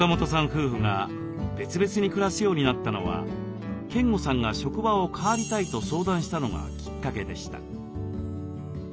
夫婦が別々に暮らすようになったのは健吾さんが職場を変わりたいと相談したのがきっかけでした。